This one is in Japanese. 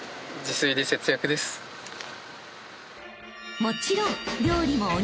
［もちろん］